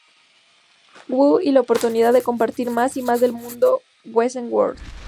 Wu —y la oportunidad de compartir más y más del mundo Wesen world.